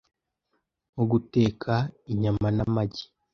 nko mu guteka inyama n'amagi,